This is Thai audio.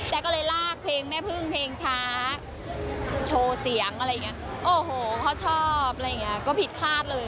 แต่ก็เลยลากเพลงแม่พึ่งเพลงช้าโชว์เสียงอะไรอย่างเงี้ยโอ้โหเขาชอบอะไรอย่างเงี้ยก็ผิดคาดเลย